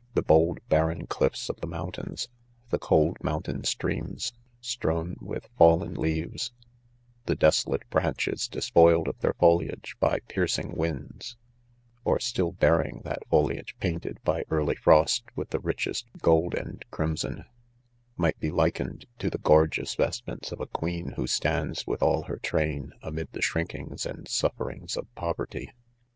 — The bold barren clifts of the mountains ^— the cold mountain streams, strown with fallen leaves, — the desolate branches, despoiled of their foliage by piercing' winds, or still bearing that foliage painted, by early frost, with the richest gold and crimson, might be likened to the gorgeous vestments of a queen who stands, with ail her train, amid the shrinkings and suffering of poverty.